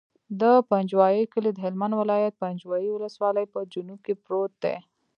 د پنجوایي کلی د هلمند ولایت، پنجوایي ولسوالي په جنوب کې پروت دی.